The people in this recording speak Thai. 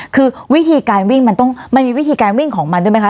คือวิธีการวิ่งมันต้องมันมีวิธีการวิ่งของมันด้วยไหมคะ